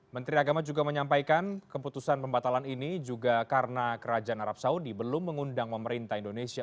menteri agama juga menyampaikan keputusan pembatalan ini juga karena kerajaan arab saudi belum mengundang pemerintah indonesia